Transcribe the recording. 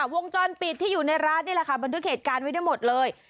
วงจรปิดที่อยู่ในร้านนี่แหละค่ะบันทึกเหตุการณ์ไว้ได้หมดเลย